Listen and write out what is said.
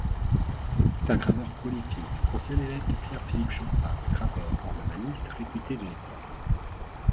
C'est un graveur prolifique ancien élève de Pierre-Philippe Choffard, graveur ornemaniste réputé de l'époque.